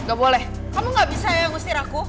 kamu gak bisa ngusir aku